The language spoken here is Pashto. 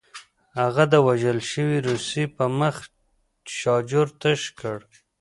هغه د وژل شوي روسي په مخ شاجور تشه کړه